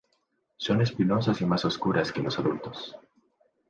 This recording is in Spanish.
Son espinosas y más oscuras que los adultos.